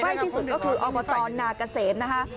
ใกล้ที่สุดก็คือออบตนากเศษมนะคะ